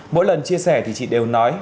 mỗi lần chia sẻ thì chị đều nói